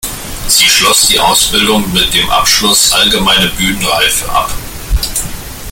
Sie schloss die Ausbildung mit dem Abschluss "Allgemeine Bühnenreife" ab.